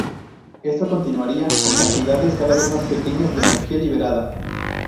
Esto continuaría, con cantidades cada vez más pequeñas de energía liberada.